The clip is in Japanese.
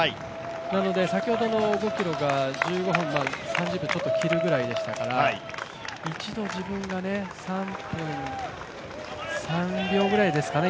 なので、先ほどの５ｋｍが１５分３０秒ちょっと切るぐらいでしたから一度自分が、３分３秒ぐらいですかね